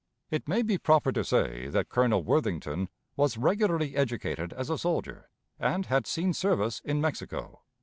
It may be proper to say that Colonel Worthington was regularly educated as a soldier, and had seen service in Mexico.